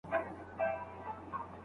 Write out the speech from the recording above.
په ناممکنو شیانو کي امکان ولټوئ.